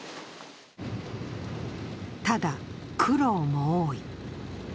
ただ、苦労も多い。